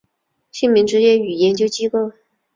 姓名职业与研究机构